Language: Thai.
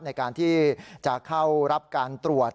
ในการที่จะเข้ารับการตรวจ